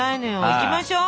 いきましょう！